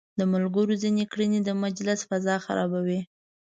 د ملګرو ځينې کړنې د مجلس فضا خرابوي.